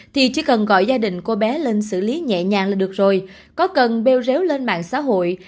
thì chỉ cần gọi gia đình cô bé lên xử lý nhẹ nhàng là được rồi có cần bêu réo lên mạng xã hội